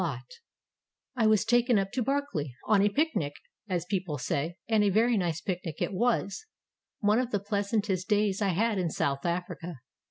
439 SOUTH AFRICA I was taken up to Barkly "on a picnic" as people say; and a very nice picnic it was, — one of the pleasantest days I had in South Africa.